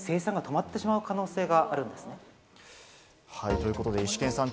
ということで、イシケンさん